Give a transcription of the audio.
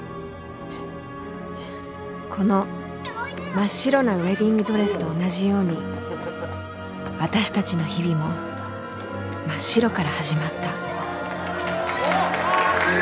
この真っ白なウェディングドレスと同じように私たちの日々も真っ白から始まった